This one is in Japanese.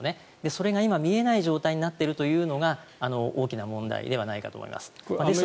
それが今、見えない状態になっているというのが大きな問題ではないかと思います。